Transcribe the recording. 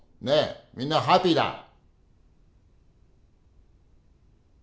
ねえみんなハッピーだ。